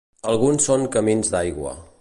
Alguns són camins d'aigua.